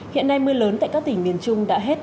hiện nay mưa lớn tại các tỉnh miền trung đã hết